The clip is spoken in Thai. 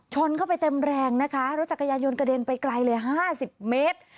ชนเข้าไปเต็มแรงนะคะรถจักรยานยนต์กระเด็นไปไกลเลย๕๐เมตร